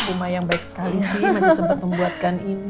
bu mayang baik sekali sih masih sempat membuatkan ini